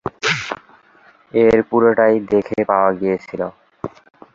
এর পুরোটাই দেখে পাওয়া গিয়েছিল।